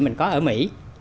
mình có ở mỹ